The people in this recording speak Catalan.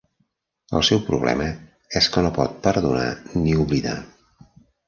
El seu problema és que no pot perdonar ni oblidar